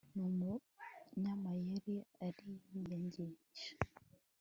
n'umunyamayeri ariyangisha